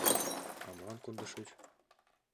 — А молан кондышыч?